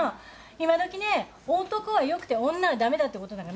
今どきね男はよくて女は駄目だってことなんかないんだよ。